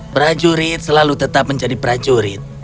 prajurit selalu tetap menjadi prajurit